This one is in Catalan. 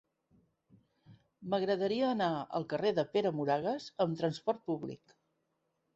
M'agradaria anar al carrer de Pere Moragues amb trasport públic.